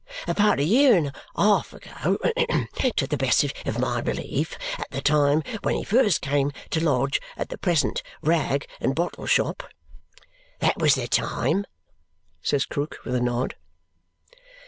About a year and a half ago to the best of my belief, at the time when he first came to lodge at the present rag and bottle shop " "That was the time!" says Krook with a nod.